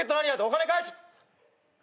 お金返し。